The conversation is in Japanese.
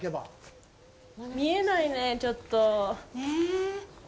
見えないね、ちょっと。